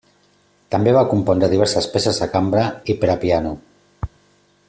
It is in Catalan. També va compondre diverses peces de cambra i per a piano.